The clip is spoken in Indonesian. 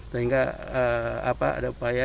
sehingga ada upaya